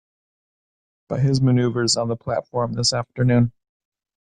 By his manoeuvres on the platform this afternoon.